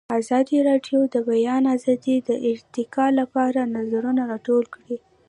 ازادي راډیو د د بیان آزادي د ارتقا لپاره نظرونه راټول کړي.